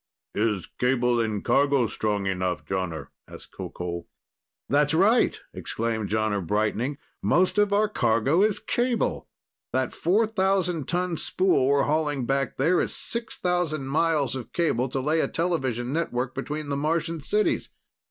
"Is cable in cargo strong enough, Jonner?" asked Qoqol. "That's right!" exclaimed Jonner, brightening. "Most of our cargo's cable! That 4,000 ton spool we're hauling back there is 6,000 miles of cable to lay a television network between the Martian cities."